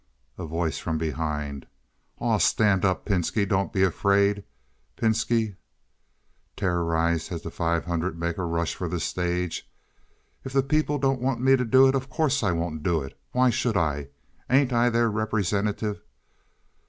A Voice from Behind. "Aw, stand up, Pinski. Don't be afraid." Pinski (terrorized as the five hundred make a rush for the stage). "If the people don't want me to do it, of course I won't do it. Why should I? Ain't I their representative?"